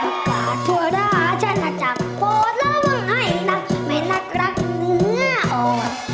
ติดปรากฏทั่วตาฉันหาจากโพธย์แล้วว่าไอนักไม่นักรักเนื้ออ่อน